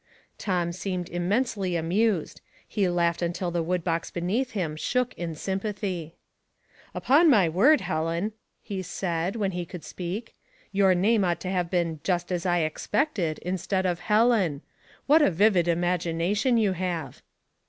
Tom seemed immensely amused. He laughed until the wood box beneath him shook in sym pathy. " Upon my word, Helen," he said, wh€;n he could speak, "your name ought to have been Raisins. 19 'Just As I Expected' instead of 'Helen.* What a vivid imagination you have